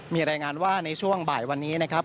มีรายงานว่าในช่วงบ่ายวันนี้นะครับ